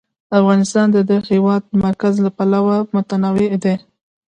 افغانستان د د هېواد مرکز له پلوه متنوع دی.